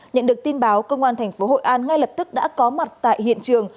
nhận được tin báo công an thành phố hội an ngay lập tức đã có mặt tại hiện trường